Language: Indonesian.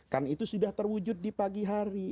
karena itu sudah terwujud di pagi hari